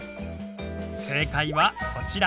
正解はこちら。